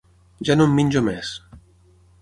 Ja no en menjo més.